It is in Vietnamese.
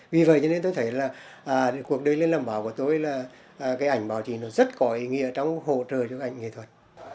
vì vậy cho nên tôi thấy là cuộc đời lên làm báo của tôi là cái ảnh báo chí nó rất có ý nghĩa trong hỗ trợ cho ảnh nghệ thuật